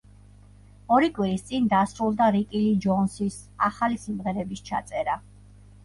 ორი კვირის წინ დასრულდა რიკი ლი ჯონსის ახალი სიმღერების ჩაწერა.